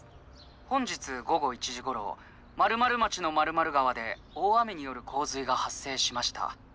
本日午後１時ごろ○○町の○○川で大雨によるこう水がはっ生しました。